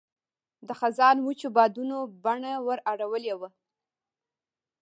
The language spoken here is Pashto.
د خزان وچو بادونو بڼه ور اړولې وه.